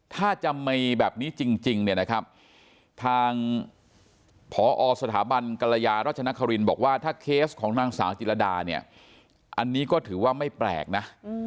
ถ้าจำในแบบนี้จริงเนี่ยนะครับทางพอสถาบันกรยารัชนครินบอกว่าถ้าเคสของนางสาวจิรดาเนี่ยอันนี้ก็ถือว่าไม่แปลกนะ